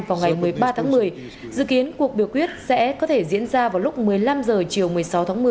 vào ngày một mươi ba tháng một mươi dự kiến cuộc biểu quyết sẽ có thể diễn ra vào lúc một mươi năm h chiều một mươi sáu tháng một mươi